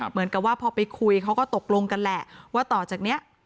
เหมือนกับว่าพอไปคุยเขาก็ตกลงกันแหละว่าต่อจากนี้